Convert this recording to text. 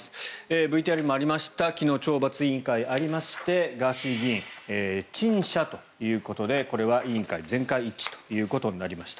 ＶＴＲにもありました昨日、懲罰委員会がありましてガーシー議員陳謝ということでこれは委員会全会一致となりました。